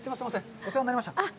お世話になりました。